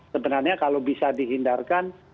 sebenarnya kalau bisa dihindarkan